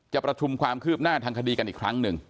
ประชุมความคืบหน้าทางคดีกันอีกครั้งหนึ่ง